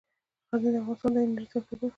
غزني د افغانستان د انرژۍ سکتور برخه ده.